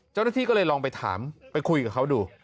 เจ้าหน้าที่ก็เลยลองไปถามไปคุยกับเขาดู